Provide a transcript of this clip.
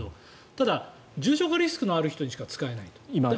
ただ、重症化リスクのある人にしか使えない。